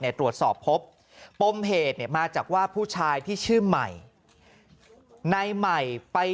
ในตรวจสอบพบปมเพจมาจากว่าผู้ชายที่ชื่อใหม่ในใหม่ไป